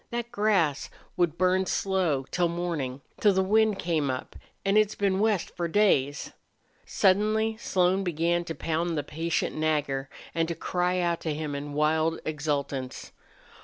That grass would burn slow till mornin' till the wind came up an' it's been west for days." Suddenly Slone began to pound the patient Nagger and to cry out to him in wild exultance.